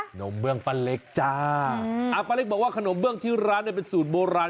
นมเบื้องป้าเล็กจ้าอ่าป้าเล็กบอกว่าขนมเบื้องที่ร้านเนี่ยเป็นสูตรโบราณ